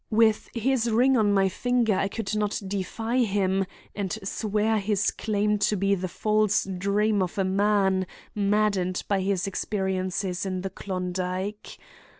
With his ring on my finger I could not defy him and swear his claim to be false the dream of a man maddened by his experiences in the Klondike.